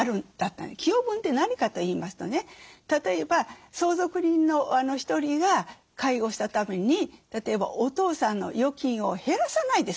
寄与分って何かといいますとね例えば相続人の１人が介護したために例えばお父さんの預金を減らさないで済んだと。